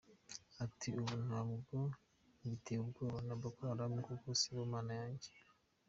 Ati “Ubu ntabwo ngitewe ubwoba na Boko Haram kuko sibo Mana yanjye.